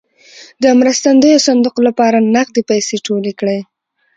د مرستندویه صندوق لپاره نغدې پیسې ټولې کړې.